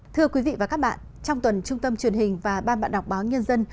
thưa quý vị và các bạn trong tuần trung tâm truyền hình và ban bạn đọc báo nhân dân